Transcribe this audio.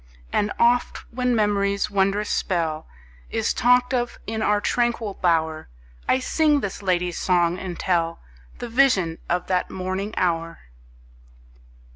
And oft when memory's wondrous spell Is talked of in our tranquil bower, I sing this lady's song, and tell The vision of that morning hour.